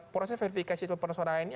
proses verifikasi persoarangannya